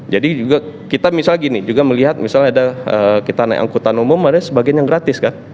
jadi juga kita misalnya gini juga melihat misalnya kita naik angkutan umum ada sebagian yang gratis kan